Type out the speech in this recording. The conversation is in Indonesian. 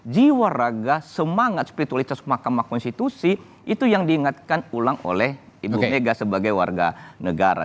jiwa raga semangat spiritualitas mahkamah konstitusi itu yang diingatkan ulang oleh ibu mega sebagai warga negara